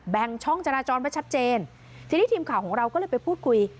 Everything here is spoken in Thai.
งช่องจราจรไว้ชัดเจนทีนี้ทีมข่าวของเราก็เลยไปพูดคุย